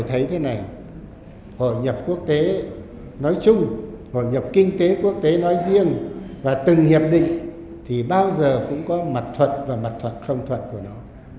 hội nhập quốc tế nói chung hội nhập kinh tế quốc tế nói riêng và từng hiệp định thì bao giờ cũng có mặt thuật và mặt thuật không thuật của nó